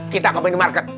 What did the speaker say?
kita ke banyu market